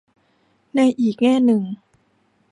ในอีกแง่หนึ่ง